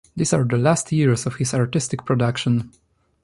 These are the last years of his artistic production.